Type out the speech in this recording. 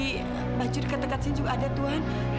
di baju dekat dekat sini juga ada tuhan